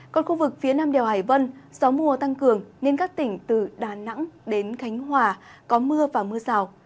còn khu vực phía nam đèo hải vân gió mùa tăng cường nên các tỉnh từ đà nẵng đến khánh hòa có mưa và mưa rào